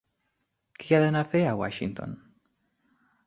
«Què hi he d'anar a fer, a Washington?».